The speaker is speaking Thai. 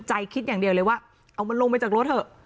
คิดอย่างเดียวเลยว่าเอามันลงไปจากรถเถอะ